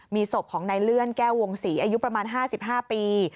มีศพของนายเลื่อนแก้ววงศรีอายุประมาณ๕๕ปี